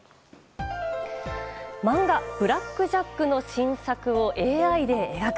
漫画「ブラック・ジャック」の新作をＡＩで描く。